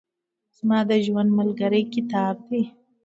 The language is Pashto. زما د ژوند ملګری کتاب دئ.